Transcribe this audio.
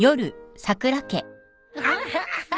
アハハハ